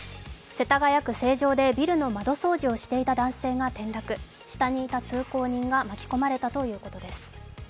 世田谷区成城でビルの窓掃除をしていた男性が転落下にいた通行人が巻き込まれたということです。